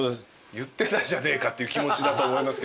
言ってないじゃねえかっていう気持ちだと思いますけど。